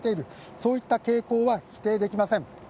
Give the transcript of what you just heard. そういった傾向は否定できません。